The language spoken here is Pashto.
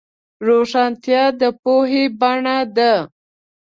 روښانتیا د پوهې بڼه ده.